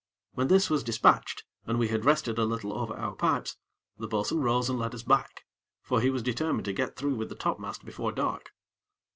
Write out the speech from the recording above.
When this was dispatched, and we had rested a little over our pipes, the bo'sun rose and led us back; for he was determined to get through with the topmast before dark.